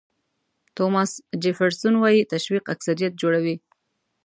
توماس جیفرسون وایي تشویق اکثریت جوړوي.